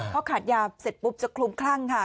พอขาดยาเสร็จปุ๊บจะคลุมคลั่งค่ะ